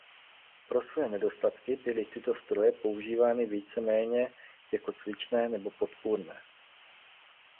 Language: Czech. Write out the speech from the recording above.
Pro své nedostatky byly tyto stroje používány víceméně jako cvičné nebo podpůrné.